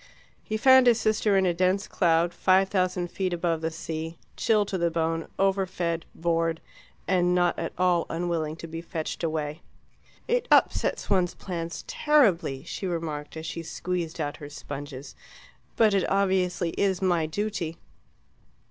He found his sister in a dense cloud five thousand feet above the sea, chilled to the bone, overfed, bored, and not at all unwilling to be fetched away. "It upsets one's plans terribly," she remarked, as she squeezed out her sponges, "but obviously it is my duty."